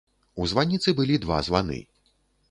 У званіцы былі два званы.